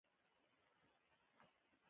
ابدالي غواړي یو ځل بیا هندوستان ته سفر وکړي.